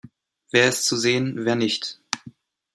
Wer ist zu sehen, wer nicht?